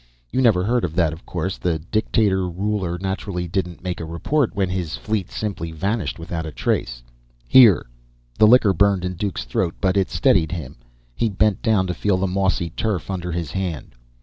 You never heard of that, of course. The dictator ruler naturally didn't make a report when his fleet simply vanished without trace. Here!" The liquor burned in Duke's throat, but it steadied him. He bent down, to feel the mossy turf under his hand.